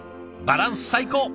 バランス最高。